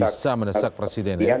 bisa mendesak presiden ya